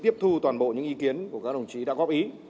tôi xin tiếp thu toàn bộ những ý kiến của các đồng chí đã góp ý